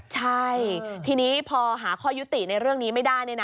ใช่ทีนี้พอหาข้อยุติในเรื่องนี้ไม่ได้